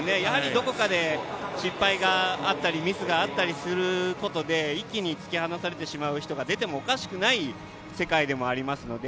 どこかで失敗があったりミスがあったりすることで一気に突き放されてしまう人が出てもおかしくない世界でもあるので。